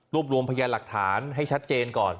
รวมรวมพยานหลักฐานให้ชัดเจนก่อน